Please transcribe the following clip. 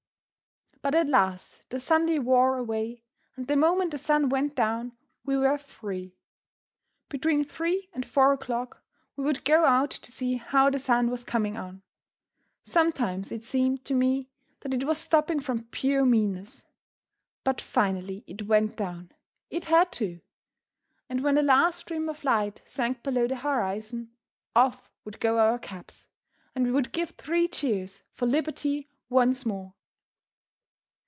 But at last the Sunday wore away, and the moment the sun went down we were free. Between three and four o'clock we would go out to see how the sun was coming on. Sometimes it seemed to me that it was stopping from pure meanness. But finally it went down. It had to. And when the last rim of light sank below the horizon, off would go our caps, and we would give three cheers for liberty once more.